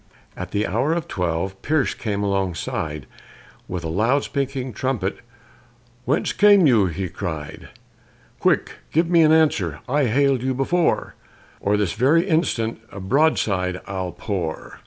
At the hour of twelve, Pierce came alongside. With a loud speaking trumpet, "Whence came you?" he cried; "Quick give me an answer, I hail'd you before, Or this very instant a broadside I'll pour."